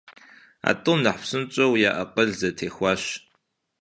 А тӏум нэхъ псынщӀэу я акъыл зэтехуащ.